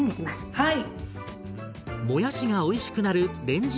はい。